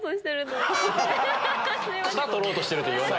草取ろうとしてるって言わない。